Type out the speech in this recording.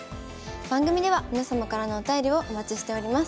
番組では皆様からのお便りをお待ちしております。